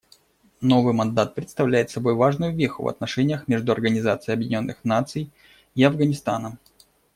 Новый мандат представляет собой важную веху в отношениях между Организацией Объединенных Наций и Афганистаном.